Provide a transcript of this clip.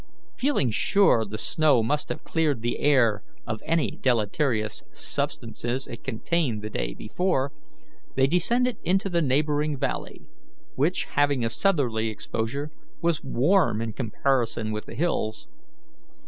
Feeling sure the snow must have cleared the air of any deleterious substances it contained the day before, they descended into the neighbouring valley, which, having a southerly exposure, was warm in comparison with the hills.